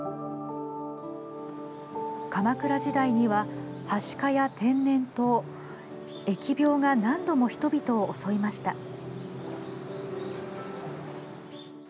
鎌倉時代にははしかや天然痘疫病が何度も人々を襲いました。